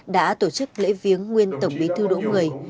đã tổ chức lễ viếng nguyên tổng bí thư đỗ mười